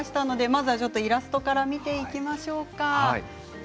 まずはイラストから見ていきましょうか。